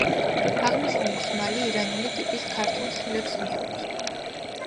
აღნიშნული ხმალი ირანული ტიპის ქართულ ხმლებს მიეკუთვნება.